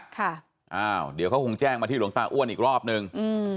ค่ะอ้าวเดี๋ยวเขาคงแจ้งมาที่หลวงตาอ้วนอีกรอบนึงอืม